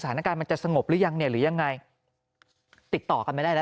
สถานการณ์มันจะสงบหรือยังหรือยังไงติดต่อกันไม่ได้แล้ว